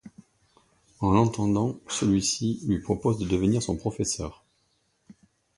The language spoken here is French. En l'entendant, celui-ci lui propose de devenir son professeur.